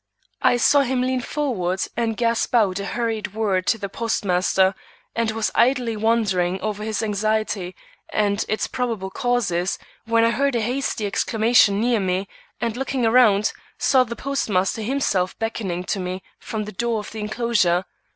I saw him lean forward and gasp out a hurried word to the postmaster, and was idly wondering over his anxiety and its probable causes, when I heard a hasty exclamation near me, and looking around, saw the postmaster himself beckoning to me from the door of the enclosure.